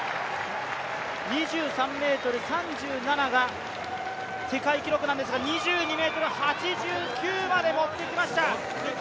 ２３ｍ３７が世界記録なんですが２２ｍ８９までもってきました。